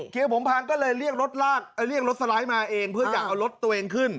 เกียร์ผมพังก็เลยเรียกรถลากเรียกรถสไลด์มาเองเพื่อจะเอารถตัวเองขึ้น